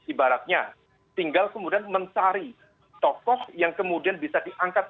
ibaratnya tinggal kemudian mencari tokoh yang kemudian bisa diangkat